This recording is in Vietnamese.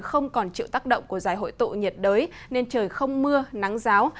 không còn chịu tác động của giải hội tụ nhiệt đới nên trời không mưa nắng giáo